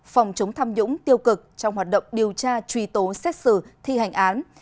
phòng chống tham nhũng tiêu cực trong hoạt động điều tra truy tố xét xử thi hành án